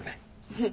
うん。